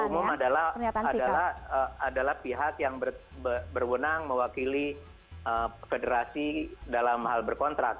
dan ketua umum adalah pihak yang berwenang mewakili federasi dalam hal berkontrak